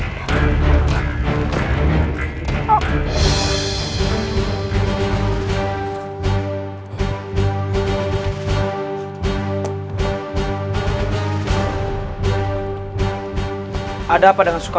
kita tidak bisa berada seperti orang logros